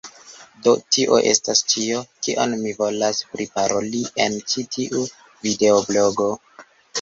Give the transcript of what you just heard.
Do, tio estas ĉio, kion mi volas priparoli en ĉi tiu videoblogo.